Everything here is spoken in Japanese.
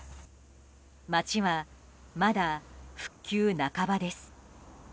町はまだ復旧半ばです。